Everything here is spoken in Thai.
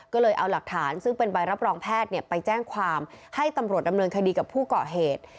ก็เลยเอาหลักฐานซึ่งเป็นใบรับรองแพทย์ไปแจ้งความให้ตำรวจดำเนินคดีกับผู้ก่อเหตุ